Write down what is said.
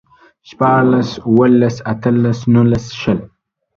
شپاړلس، اوولس، اتلس، نولس، شل